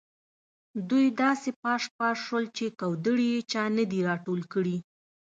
دوی داسې پاش پاش شول چې کودړي یې چا نه دي راټول کړي.